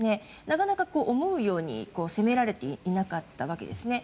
なかなか思うように攻められていなかったわけですね。